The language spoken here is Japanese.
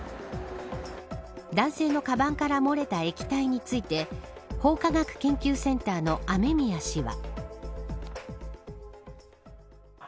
男性のかばんから漏れた液体について法科学研究センターの雨宮氏は。